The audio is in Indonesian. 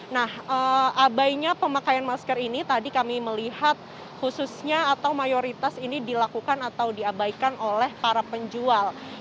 nah abainya pemakaian masker ini tadi kami melihat khususnya atau mayoritas ini dilakukan atau diabaikan oleh para penjual